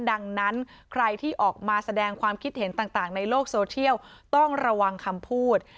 ดังนั้นใครที่ออกมาแสดงความคิดเห็นต่างในโลกโซเทียลต้องระวังคำพูด